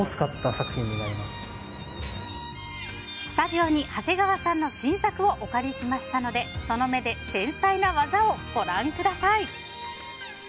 スタジオに長谷川さんの新作をお借りしましたのでその目で繊細な技をご覧ください。